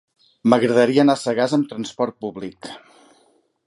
M'agradaria anar a Sagàs amb trasport públic.